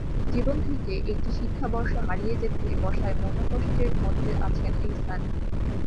জীবন থেকে একটি শিক্ষাবর্ষ হারিয়ে যেতে বসায় মনঃকষ্টের মধ্যে আছেন এহসান।